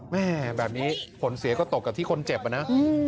แม่แบบนี้ผลเสียก็ตกกับที่คนเจ็บอะนะ